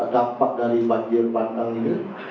dapat dari banjir panjang ini